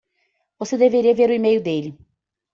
Você deveria ver o email dele!